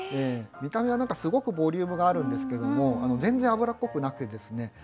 見た目は何かすごくボリュームがあるんですけども全然油っこくなくてですね